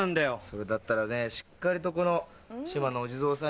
それだったらねしっかりとこの島の。